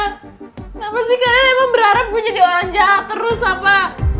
kenapa sih kalian emang berharap menjadi orang jahat terus apa